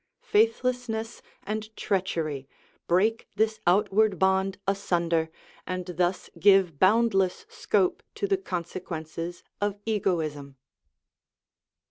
Faithlessness and treachery break this outward bond asunder, and thus give boundless scope to the consequences of egoism.